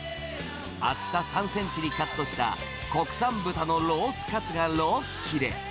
厚さ３センチにカットした国産豚のロースカツが６切れ。